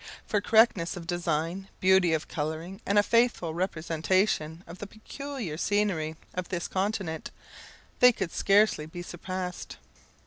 For correctness of design, beauty of colouring, and a faithful representation of the peculiar scenery of this continent, they could scarcely be surpassed.